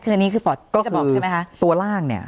คืออันนี้ฟอร์ตจะบอกใช่ไหม